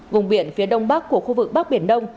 vùng biển phía đông bắc của khu vực bắc biển đông